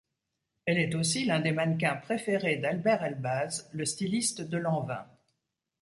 Elle est aussi l'un des mannequins préférés d'Alber Elbaz, le styliste de Lanvin.